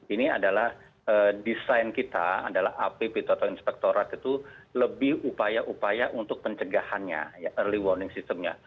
ini adalah desain kita adalah app atau inspektorat itu lebih upaya upaya untuk pencegahannya early warning systemnya